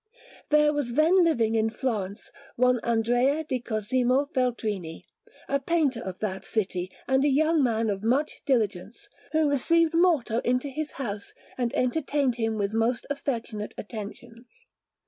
There was then living in Florence one Andrea di Cosimo Feltrini, a painter of that city, and a young man of much diligence, who received Morto into his house and entertained him with most affectionate attentions.